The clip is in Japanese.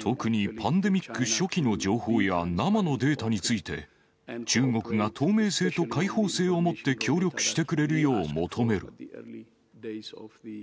特にパンデミック初期の情報や生のデータについて、中国が透明性と開放性をもって協力してくれるよう求める。